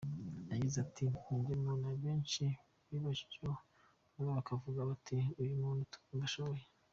Yagize ati “Ni njye muntu abenshi bibajijeho, bamwe bakavuga bati ‘uwo muntu turumva ashoboye’.